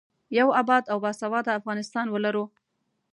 یو اباد او باسواده افغانستان ولرو.